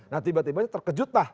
nah tiba tiba terkejut lah